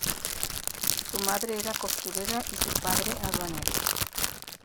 Su madre era costurera y su padre aduanero.